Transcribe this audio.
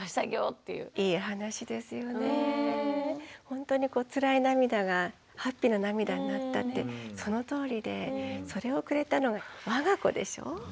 ほんとにつらい涙がハッピーな涙になったってそのとおりでそれをくれたのがわが子でしょ。